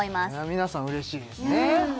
皆さん嬉しいですね